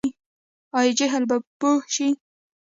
آیا جهل به پوهه شي؟